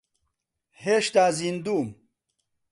هێشتا زیندووم.